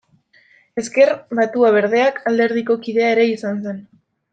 Ezker Batua-Berdeak alderdiko kidea ere izan zen.